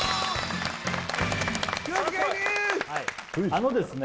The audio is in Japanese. あのですね